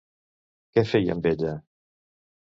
Què feia amb ella?